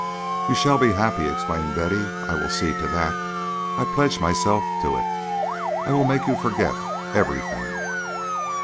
"You shall be happy," exclaimed Betty. "I will see to that. I pledge myself to it. I will make you forget everything."